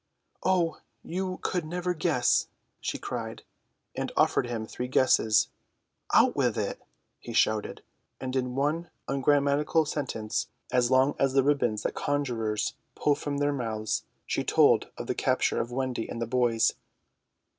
"Oh, you could never guess!" she cried, and offered him three guesses. "Out with it!" he shouted, and in one ungrammatical sentence, as long as the ribbons that conjurers pull from their mouths, she told of the capture of Wendy and the boys.